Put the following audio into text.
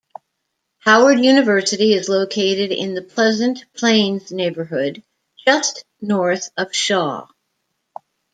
Howard University is located in the Pleasant Plains neighborhood, just north of Shaw.